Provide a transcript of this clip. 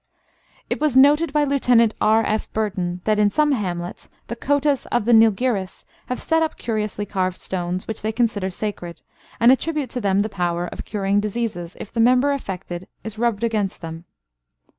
It was noted by Lieutenant R. F. Burton that, in some hamlets, the Kotas of the Nilgiris have set up curiously carved stones, which they consider sacred, and attribute to them the power of curing diseases, if the member affected is rubbed against them.